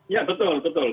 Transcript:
ya betul betul